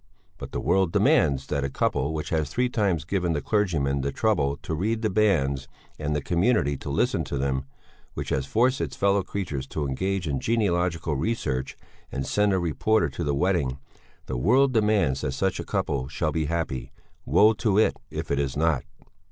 But the world demands that a couple which has three times given the clergyman the trouble to read the banns and the community to listen to them; which has forced its fellow creatures to engage in genealogical research and send a reporter to the wedding the world demands that such a couple shall be happy woe to it if it is not!